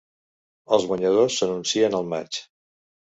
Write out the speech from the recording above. Els guanyadors s'anuncien al maig.